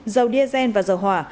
dầu diesel và dầu hỏa